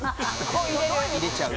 入れちゃう。